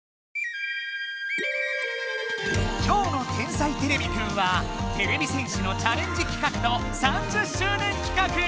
今日の「天才てれびくん」はてれび戦士のチャレンジ企画と３０周年企画！